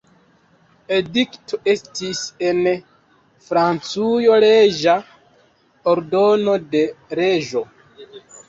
Edikto estis en Francujo leĝa ordono de reĝo.